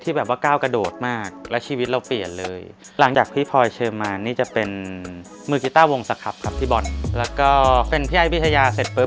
ตอนนี้จะเป็นยังโอมค่ะ